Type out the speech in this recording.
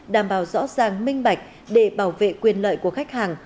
đảm bảo rõ ràng minh bạch để bảo vệ quyền lợi của khách hàng